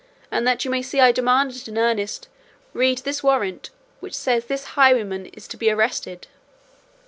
and that you may see I demand it in earnest, read this warrant which says this highwayman is to be arrested."